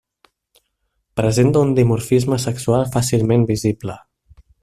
Presenta un dimorfisme sexual fàcilment visible.